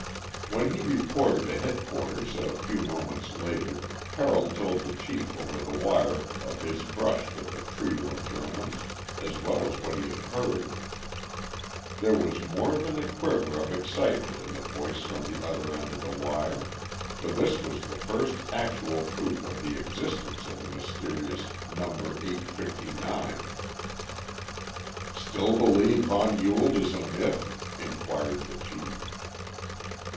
When he reported to headquarters a few moments later, Carroll told the chief over the wire of his brush with the trio of Germans, as well as what he had heard. There was more than a quiver of excitement in the voice from the other end of the wire, for this was the first actual proof of the existence of the mysterious "No. 859." "Still believe von Ewald is a myth?" inquired the Chief.